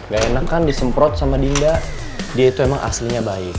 gak enak kan disemprot sama dinda dia itu emang aslinya baik